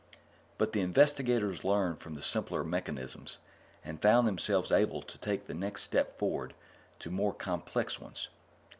But the investigators learned from the simpler mechanisms, and found themselves able to take the next step forward to more complex ones.